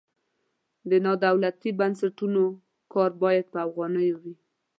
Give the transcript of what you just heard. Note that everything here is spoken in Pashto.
د نادولتي بنسټونو کار باید په افغانیو وي.